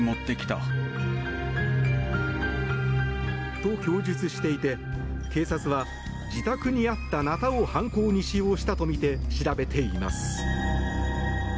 と、供述していて警察は自宅にあったナタを犯行に使用したとみて調べています。